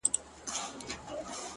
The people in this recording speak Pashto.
نظم د سترو موخو ملا ده